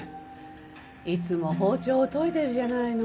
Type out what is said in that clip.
いつも包丁を研いでるじゃないの。